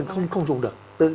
không không dùng được